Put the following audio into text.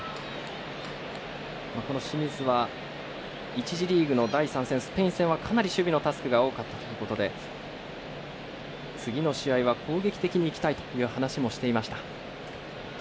清水は、１次リーグの第３戦スペイン戦はかなり守備のタスクが多かったということで次の試合は、攻撃的にいきたいという話もしていました。